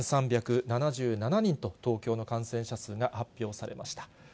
７３７７人と、東京の感染者数が発表されました。